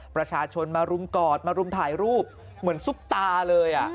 ประชาชนมารุมกอดมารุมถ่ายรูปเหมือนซุปตาเลย